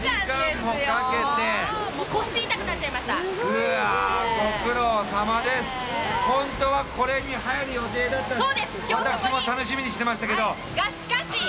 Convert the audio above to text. がしかし！